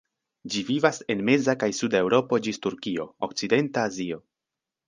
Ĝi vivas en meza kaj suda Eŭropo ĝis Turkio, okcidenta Azio.